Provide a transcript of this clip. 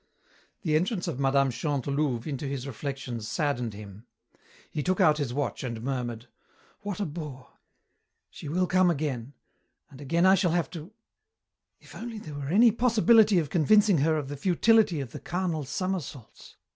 The entrance of Mme. Chantelouve into his reflections saddened him. He took out his watch and murmured, "What a bore. She will come again, and again I shall have to if only there were any possibility of convincing her of the futility of the carnal somersaults!